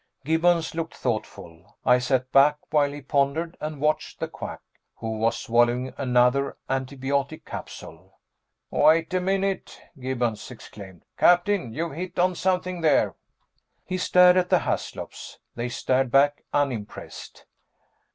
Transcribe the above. Gibbons looked thoughtful. I sat back while he pondered and watched the Quack, who was swallowing another antibiotic capsule. "Wait a minute," Gibbons exclaimed. "Captain, you've hit on something there!" He stared at the Haslops. They stared back, unimpressed.